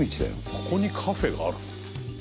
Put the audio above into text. ここにカフェがあるの？